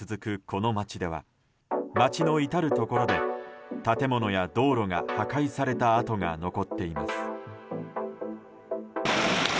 この街では街の至るところで建物や道路が破壊された跡が残っています。